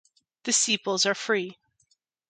The sepals are free.